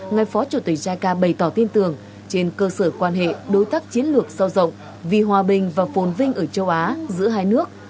ngài phó chủ tịch jica bày tỏ tin tưởng trên cơ sở quan hệ đối tác chiến lược sâu rộng vì hòa bình và phồn vinh ở châu á giữa hai nước